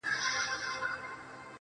• ستا هره گيله مي لا په ياد کي ده.